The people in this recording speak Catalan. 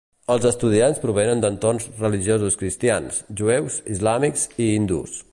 Els estudiants provenen d'entorns religiosos cristians, jueus, islàmics i hindús.